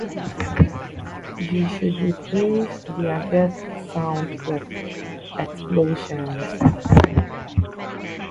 You should replace their death sound with explosions.